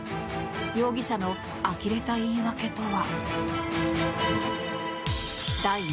容疑者のあきれた言い訳とは。